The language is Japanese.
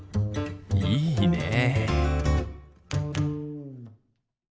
いいね。